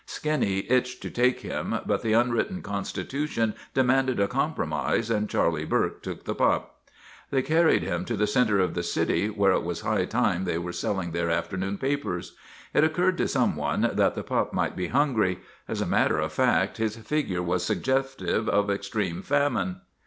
Skinny itched to take him, but the unwritten constitution demanded a compromise, and Charlie Burke took the pup. They carried him to the center of the city where it was high time they were selling their afternoon papers. It occurred to some one that the pup might be hungry; as a matter of fact his figure was sug gestive of extreme famine.